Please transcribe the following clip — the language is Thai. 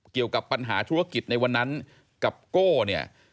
เกี่ยวกับปัญหาธุรกิจในวันนั้นกับโก้เนี่ย